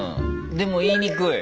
でも言いにくい。